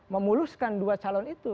memuluskan dua calon itu